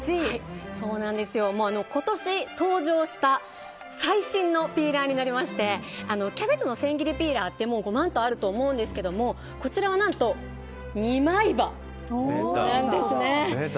今年、登場した最新のピーラーになりましてキャベツの千切りピーラーってごまんとあると思うんですがこちらは何と二枚刃なんです。